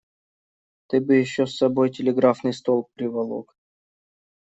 Ты бы еще с собой телеграфный столб приволок.